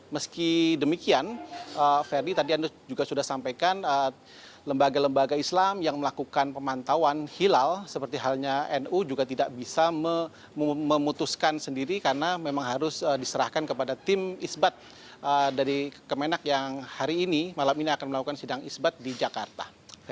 meski demikian verdi tadi anda juga sudah sampaikan lembaga lembaga islam yang melakukan pemantauan hilal seperti halnya nu juga tidak bisa memutuskan sendiri karena memang harus diserahkan kepada tim isbat dari kemenak yang hari ini malam ini akan melakukan sidang isbat di jakarta